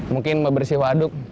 mungkin membersih waduk